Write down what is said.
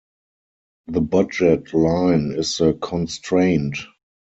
The budget line is the constraint.